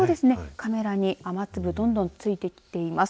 カメラに雨粒がどんどんついてきています。